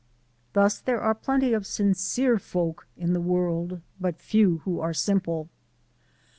Thus there are plenty of sincere folk in the world but few who are simple.